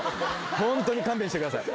ホントに勘弁してください。